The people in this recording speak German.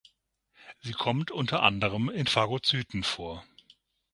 Sie kommt unter anderem in Phagozyten vor.